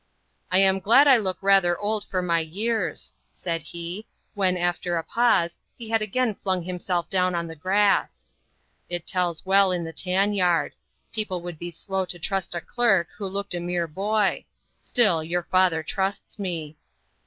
"I am glad I look rather old for my years," said he, when, after a pause, he had again flung himself down on the grass. "It tells well in the tan yard. People would be slow to trust a clerk who looked a mere boy. Still, your father trusts me."